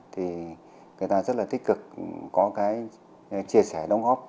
thì người ta rất là tích cực có cái chia sẻ đóng góp